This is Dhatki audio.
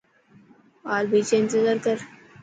ٻار ڀيچي انتظار ڪر.